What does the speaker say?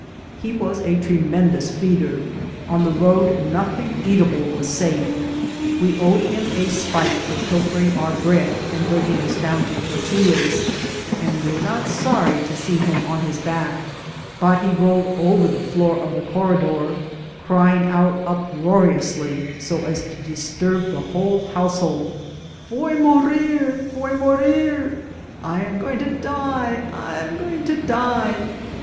He was a tremendous feed er ; on the road nothing eatable was safe. We owed him a spite for pilfering our bread and bringing us down to tortillas, and were not sorry to see him on his back ; but he rolled over the floor of the corridor, crying out uproariously, so as to disturb the whole household, " Voy morir !"" voy morir !" "I am going to die !" "I am going to die